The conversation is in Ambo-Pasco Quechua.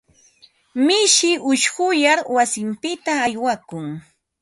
Mishi ushquyar wasinpita aywakun.